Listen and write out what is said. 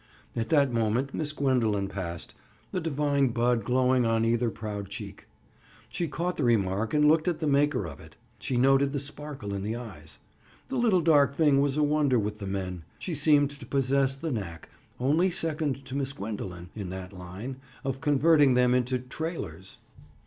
At that moment Miss Gwendoline passed, a divine bud glowing on either proud cheek. She caught the remark and looked at the maker of it. She noted the sparkle in the eyes. The little dark thing was a wonder with the men. She seemed to possess the knack—only second to Miss Gwendoline, in that line—of converting them into "trailers."